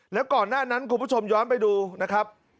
แล้วก่อนหน้านั้นคุณผู้ชมย้อนไปดูนะครับ